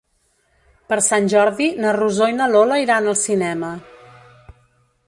Per Sant Jordi na Rosó i na Lola iran al cinema.